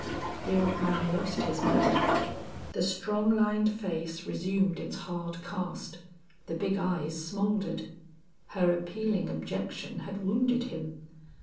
The old man lost his mirth; the strong lined face resumed its hard cast; the big eyes smoldered. Her appealing objection had wounded him.